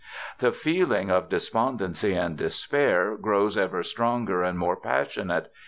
"The feeling of despondency and despair grows ever stronger and more passionate.